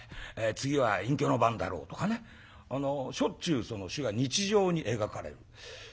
「次は隠居の番だろ」とかねしょっちゅう死が日常に描かれる。